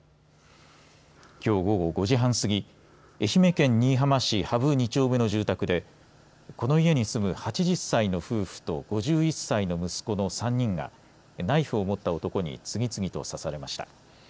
きょう午後５時半過ぎ、愛媛県新居浜市垣生２丁目の住宅でこの家に住む８０歳の夫婦と５１歳の息子の３人がナイフを持った男に次々と刺されました。